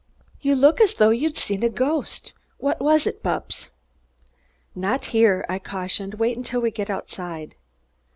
"You look as though you'd seen a ghost. What was it, Bupps?" "Not here!" I cautioned. "Wait until we get outside!"